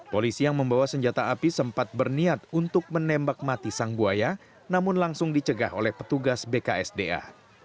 polisi yang membawa senjata api sempat berniat untuk menembak mati sang buaya namun langsung dicegah oleh petugas bksda